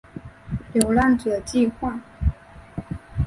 流浪者计画